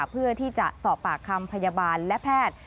เพื่อที่จะสอบปากคำพยาบาลและแพทย์